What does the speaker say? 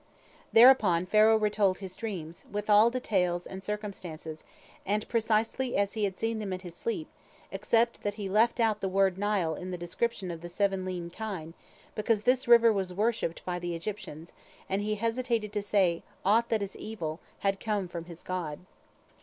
Thereupon Pharaoh retold his dreams, with all details and circumstances, and precisely as he had seen them in his sleep, except that he left out the word Nile in the description of the seven lean kine, because this river was worshipped by the Egyptians, and he hesitated to say that aught that is evil had come from his god.